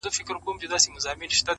غوجله سمبول د وحشت ښکاري ډېر،